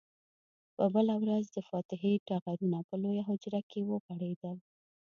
په بله ورځ د فاتحې ټغرونه په لویه حجره کې وغوړېدل.